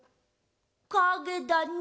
かげだね。